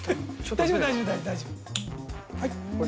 大丈夫、大丈夫。